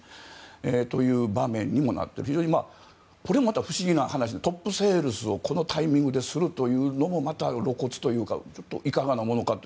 そういう場面にもなってるこれまた不思議な話でトップセールスをこのタイミングでするというのもまた露骨というかいかがなものかと。